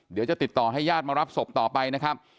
เดี๋ยวจะติดต่อให้ญาติมารับศพต่อไปนะครับ